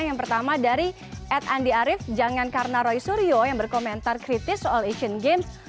yang pertama dari ad andi arief jangan karena roy suryo yang berkomentar kritis soal asian games